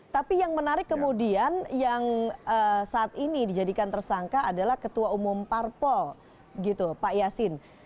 tapi yang menarik kemudian yang saat ini dijadikan tersangka adalah ketua umum parpol gitu pak yasin